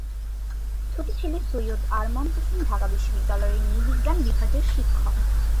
ছোট ছেলে সৈয়দ আরমান হোসেন ঢাকা বিশ্ববিদ্যালয়ের নৃবিজ্ঞান বিভাগের শিক্ষক।